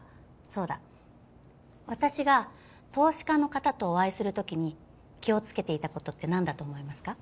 そうだ私が投資家の方とお会いする時に気をつけていたことって何だと思いますか？